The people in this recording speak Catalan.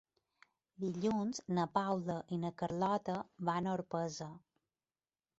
Dilluns na Paula i na Carlota van a Orpesa.